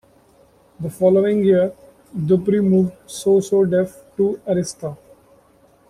The following year, Dupri moved So So Def to Arista.